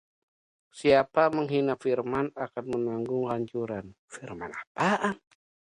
Siapa menghina firman akan menanggung kehancuran